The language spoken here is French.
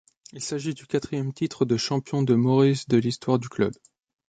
Il s'agit du quatrième titre de champion de Maurice de l'histoire du club.